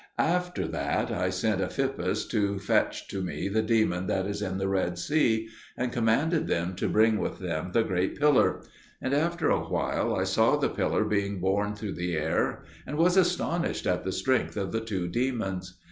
After that I sent Ephippas to fetch to me the demon that is in the Red Sea, and commanded them to bring with them the great Pillar; and after a while I saw the Pillar being borne through the air, and was astonished at the strength of the two demons.